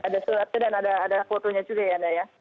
ada suratnya dan ada fotonya juga ya anda ya